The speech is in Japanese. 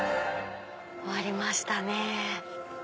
終わりましたね。